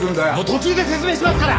途中で説明しますから！